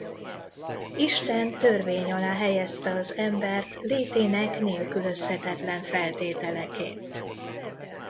Isten törvény alá helyezte az embert létének nélkülözhetetlen feltételeként.